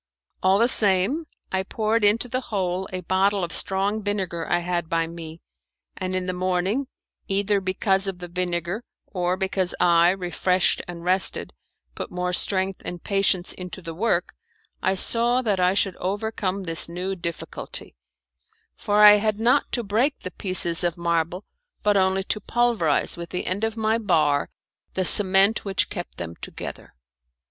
All the same, I poured into the hole a bottle of strong vinegar I had by me, and in the morning, either because of the vinegar or because I, refreshed and rested, put more strength and patience into the work, I saw that I should overcome this new difficulty; for I had not to break the pieces of marble, but only to pulverize with the end of my bar the cement which kept them together.